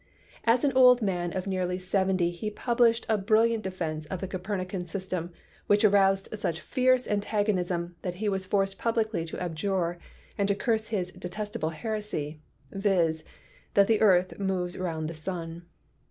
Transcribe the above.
As an old man of nearly seventy he published a brilliant defence of the Copernican system which aroused such fierce antagonism that he was forced publicly to abjure and to curse his "detestable heresy" — viz., that the earth moves round the sun.